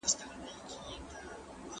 د کوټې زاړه دیوالونه هیڅ غږ نه منعکس کوي.